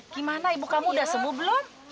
gimana ibu kamu udah sembuh belum